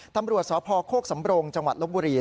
ตำรวจสพโคกสำโรงจังหวัดลบบุรี